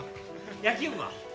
野球部は？